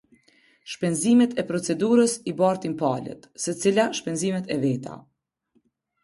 Shpenzimet e procedurës i bartin palët, secila shpenzimet e veta.